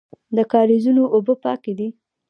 د کاریزونو اوبه پاکې دي